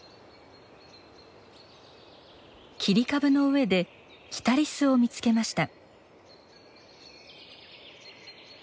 切り株の上でキタリスを見つけました。